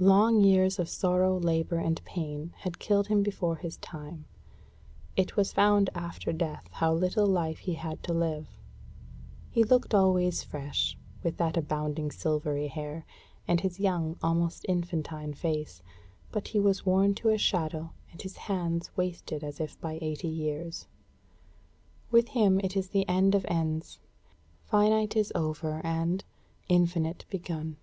Long years of sorrow, labor, and pain had killed him before his time. It was found after death how little life he had to live. He looked always fresh, with that abounding silvery hair, and his young, almost infantine face, but he was worn to a shadow, and his hands wasted as if by eighty years. With him it is the end of Ends; finite is over and, infinite begun.